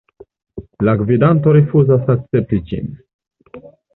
La gvidanto rifuzas akcepti ĝin.